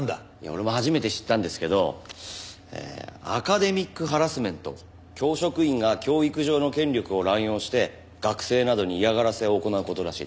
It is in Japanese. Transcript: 俺も初めて知ったんですけどアカデミックハラスメント教職員が教育上の権力を乱用して学生などに嫌がらせを行う事らしいです。